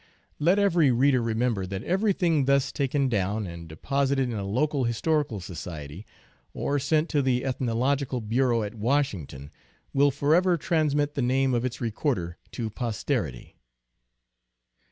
Let every reader remember that everything thus taken down, and deposited in a local historical society, or sent to the Ethnological Bureau at Washington, will forever transmit the name of its recorder to posterity.